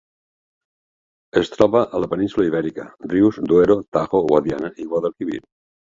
Es troba a la península Ibèrica: rius Duero, Tajo, Guadiana i Guadalquivir.